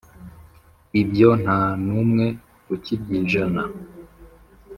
Ibyo nta n'umwe ukibyijana